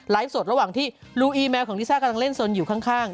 สดระหว่างที่ลูอีแมวของลิซ่ากำลังเล่นสนอยู่ข้าง